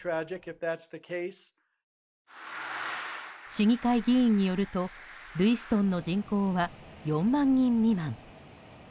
市議会議員によるとルイストンの人口は４万人未満。